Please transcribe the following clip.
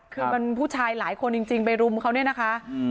คือมันผู้ชายหลายคนจริงไปรุมเขาเนี่ยนะคะ